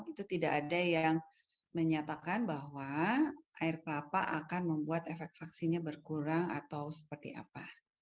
itu tidak ada yang menyatakan bahwa air kelapa akan membuat efek vaksinnya berkurang atau seperti apa